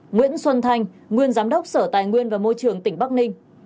nguyễn xuân thanh nguyên giám đốc sở tài nguyên và môi trường tỉnh bắc ninh